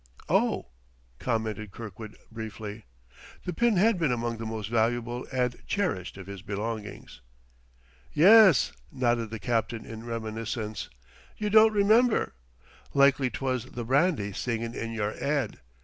"Oh," commented Kirkwood briefly. The pin had been among the most valuable and cherished of his belongings. "Yes," nodded the captain in reminiscence. "You don't remember? Likely 'twas the brandy singing in yer 'ead.